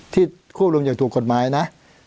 ควบรวมอย่างถูกกฎหมายนะ